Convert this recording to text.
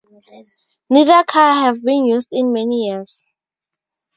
Neither car have been used in many years.